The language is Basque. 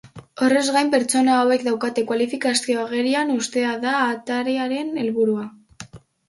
Horrez gain, pertsona hauek daukaten kualifikazioa agerian uztea da atariaren helburua.